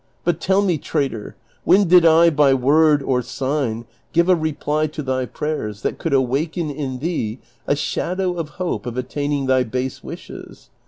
But tell me, traitor, wlien did I by word or sign give a reply to thy prayers that could awaken in thee a shadow of hope of attaining thy base wishes?